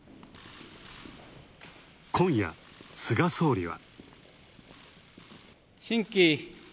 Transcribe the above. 今夜、菅総理は。